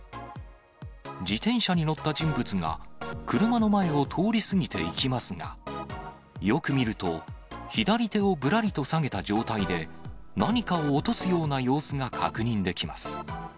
自転車に乗った人物が車の前を通り過ぎていきますが、よく見ると、左手をぶらりと下げた状態で、何かを落とすような様子が確認できます。